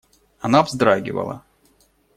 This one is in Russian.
Она вздрагивала.